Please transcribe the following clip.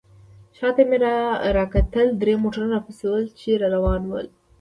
شاته مې راوکتل درې موټرونه راپسې ول، چې را روان ول.